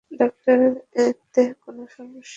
Doctor এতে কোন সমস্যা তো হবে না?